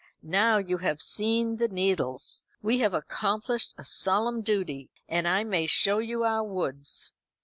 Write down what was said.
Now you have seen the Needles, we have accomplished a solemn duty, and I may show you our woods."